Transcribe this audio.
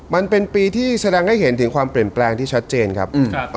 มันเป็นปีที่แสดงให้เห็นถึงความเปลี่ยนแปลงที่ชัดเจนครับ